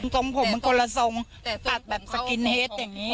ทรงผมมันคนละทรงตัดแบบสกินเฮดอย่างนี้